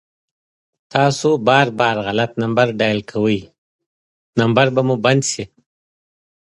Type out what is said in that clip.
تاسو بار بار غلط نمبر ډائل کوئ ، نمبر به مو بند شي